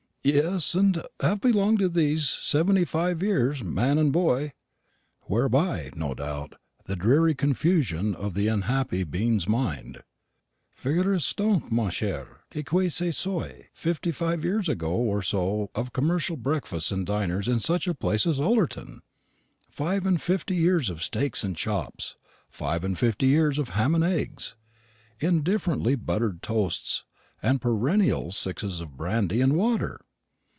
"Yes; and have belonged to it these seventy five years, man and boy;" whereby, no doubt, the dreary confusion of the unhappy being's mind. Figurez donc, mon cher. Qui que ce soit, fifty five years or so of commercial breakfasts and dinners in such a place as Ullerton! Five and fifty years of steaks and chops; five and fifty years of ham and eggs, indifferently buttered toasts, and perennial sixes of brandy and water!